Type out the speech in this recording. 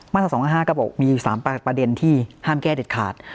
ตรา๒๕๕ก็บอกมี๓ประเด็นที่ห้ามแก้เด็ดขาด